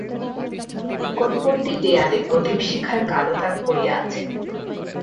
নিকটবর্তী দেয়ালে প্রদীপশিখার কালো দাগ পড়িয়া আছে।